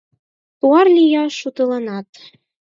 Тулар лияш шутыланат